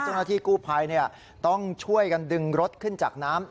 เจ้าหน้าที่กู้ภัยต้องช่วยกันดึงรถขึ้นจากน้ำ